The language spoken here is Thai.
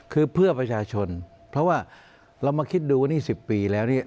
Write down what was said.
คือเพื่อประชาชนเพราะว่าเรามาคิดดูว่านี่๑๐ปีแล้วเนี่ย